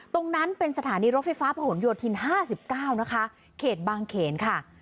ตรงนั้นเป็นสถานีรถไฟฟ้าประหวนโยชน์ทินห้าสิบเก้านะคะเขตบางเขนค่ะ